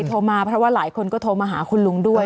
โทรมาเพราะว่าหลายคนก็โทรมาหาคุณลุงด้วย